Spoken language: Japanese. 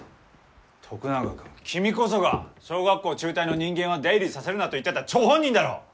徳永君君こそが小学校中退の人間は出入りさせるなと言ってた張本人だろう！？